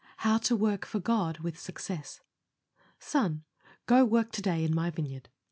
HOW TO WORK FOR GOD WITH SUCCESS. Son, go work to day in my vineyard.